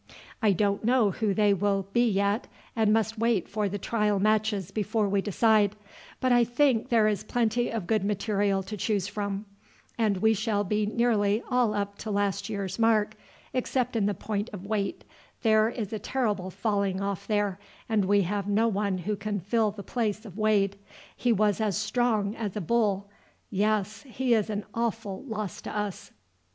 I don't know who they will be yet, and must wait for the trial matches before we decide; but I think there is plenty of good material to choose from, and we shall be nearly all up to last year's mark, except in point of weight there is a terrible falling off there, and we have no one who can fill the place of Wade. He was as strong as a bull; yes, he is an awful loss to us!